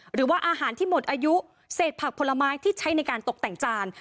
หรือว่าอาหารที่หมดอายุเศษผักผลไม้ที่ใช้ในการตกแต่งจาน